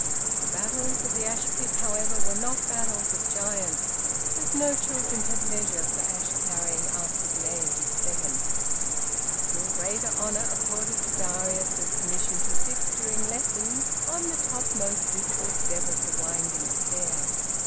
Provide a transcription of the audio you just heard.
The battles of the ash pit, however, were not battles of giants, as no children had leisure for ash carrying after the age of seven. A still greater honour accorded to Darius was permission to sit, during lessons, on the topmost visible step of the winding stair.